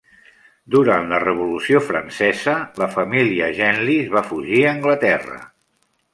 Durant la Revolució francesa, la família Genlis va fugir a Anglaterra.